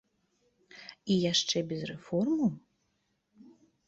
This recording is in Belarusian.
І яшчэ без рэформаў?